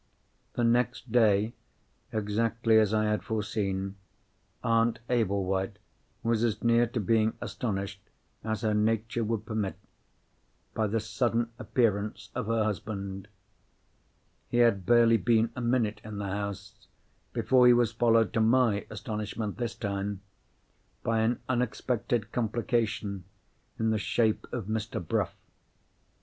The next day, exactly as I had foreseen, Aunt Ablewhite was as near to being astonished as her nature would permit, by the sudden appearance of her husband. He had barely been a minute in the house, before he was followed, to my astonishment this time, by an unexpected complication in the shape of Mr. Bruff.